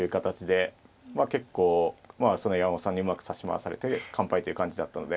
結構山本さんにうまく指し回されて完敗という感じだったので。